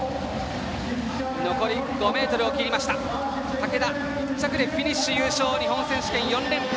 竹田、１着フィニッシュ日本選手権４連覇。